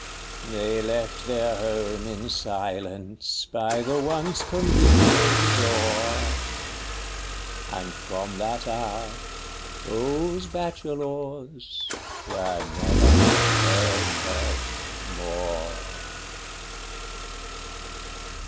They left their home in silence by the once convivial door ; And from that hour those Bachelors were never heard of more.